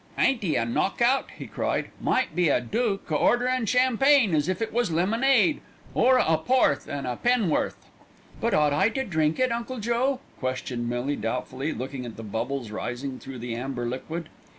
"Ain't 'e a knockout?" he cried. "Might be a dook a orderin' champagne as if it was lemonade, or a 'aporth an' a pen'orth." "But ought I to drink it, Uncle Joe?" questioned Millie doubtfully, looking at the bubbles rising through the amber liquid.